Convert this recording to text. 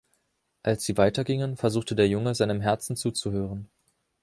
Als sie weitergingen versuchte der Junge, seinem Herzen zuzuhören.